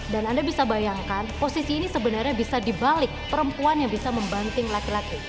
dan anda bisa bayangkan posisi ini sebenarnya bisa dibalik perempuan yang bisa membanting laki laki